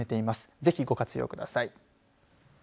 ぜひ、ご活用ください。